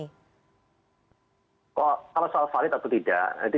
kalau soal valid atau tidak